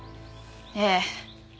ええ。